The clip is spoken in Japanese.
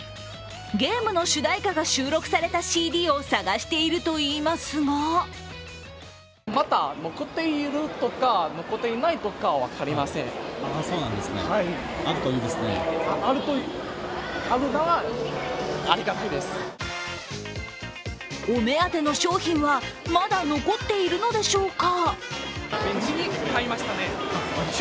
ゲームの主題歌が収録されたＣＤを探しているといいますがお目当ての商品はまだ残っているのでしょうか。